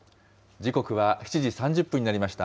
時刻は７時３０分になりました。